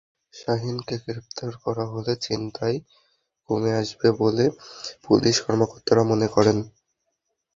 শাহীনকে গ্রেপ্তার করা হলে ছিনতাই কমে আসবে বলে পুলিশ কর্মকর্তারা মনে করেন।